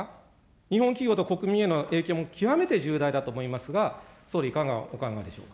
日本企業と国民への影響も極めて重大だと思いますが、総理、いかがお考えでしょうか。